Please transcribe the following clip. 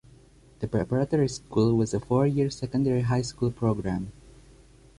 The Preparatory School was a four year secondary high school program.